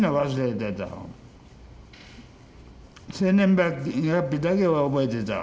生年月日だけは覚えてた。